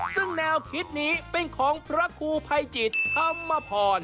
ซึ่งแนวคิดนี้เป็นของพระครูภัยจิตธรรมพร